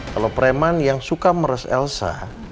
kalo pereman yang suka meras elsa